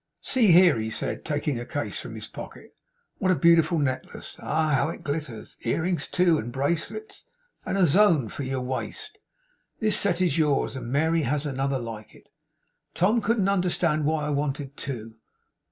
'See here!' he said, taking a case from his pocket, 'what a beautiful necklace. Ah! How it glitters! Earrings, too, and bracelets, and a zone for your waist. This set is yours, and Mary has another like it. Tom couldn't understand why I wanted two.